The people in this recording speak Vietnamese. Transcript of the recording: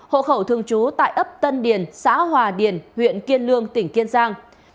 hội khẩu thương chú tại ấp tân điền xã hòa điền huyện kiên lương tỉnh kiên giang